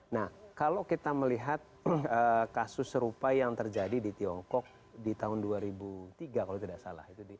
nah kalau kita melihat kasus serupa yang terjadi di tiongkok di tahun dua ribu tiga kalau tidak salah